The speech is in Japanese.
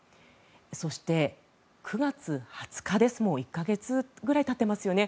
そして、９月２０日ですもう１か月ぐらいたっていますよね